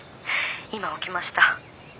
今起きました。